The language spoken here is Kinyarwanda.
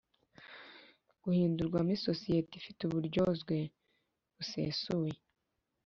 Guhindurwamo isosiyete ifite uburyozwe busesuye